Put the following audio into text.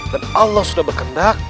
dan allah sudah berkendak